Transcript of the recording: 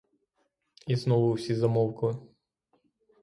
І знову всі замовкли.